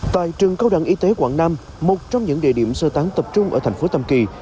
tại trường cao đẳng y tế quảng nam một trong những địa điểm sơ tán tập trung ở thành phố tam kỳ